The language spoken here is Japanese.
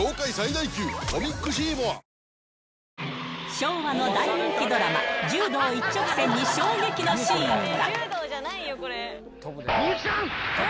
昭和の大人気ドラマ、柔道一直線に衝撃のシーンが。